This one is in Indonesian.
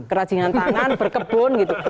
kerajinan tangan berkebun gitu